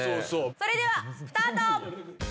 それではスタート！